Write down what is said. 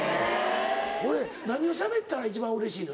何をしゃべったら一番うれしいの？